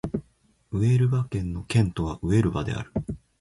ウエルバ県の県都はウエルバである